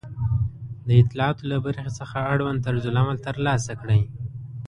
د اطلاعاتو له برخې څخه اړوند طرزالعمل ترلاسه کړئ